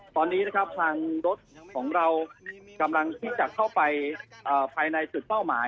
ตอนนี้นะครับทางรถของเรากำลังที่จะเข้าไปภายในจุดเป้าหมาย